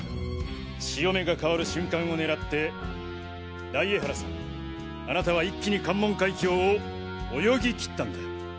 潮目が変わる瞬間を狙って大江原さんあなたは一気に関門海峡を泳ぎ切ったんだ。